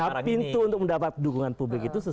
nah pintu untuk mendapat dukungan publik itu